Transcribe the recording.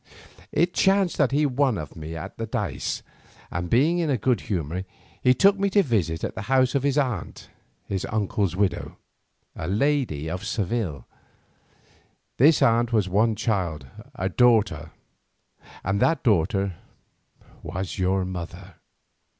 It chanced that he won of me at the dice, and being in a good humour, he took me to visit at the house of his aunt, his uncle's widow, a lady of Seville. This aunt had one child, a daughter, and that daughter was your mother.